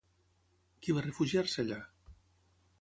Qui va refugiar-se allà?